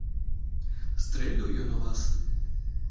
Стрэліў ён у вас?